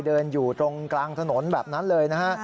เดินอยู่ตรงกลางถนนแบบนั้นเลยนะฮะ